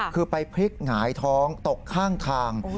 คือไปพลิกหงายท้องตกข้างทาง